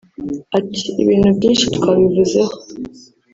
Ati “ Ibintu byinshi twabivuzeho